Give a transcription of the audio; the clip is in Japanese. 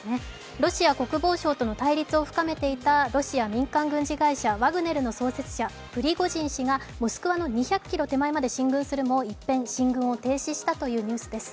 ロシア国防省との対立を深めていた、ロシア民間軍事会社・ワグネルの創設者・プリゴジン氏がモスクワの２００ｋｍ手前まで進軍するも、一転、進軍を停止したというニュースです。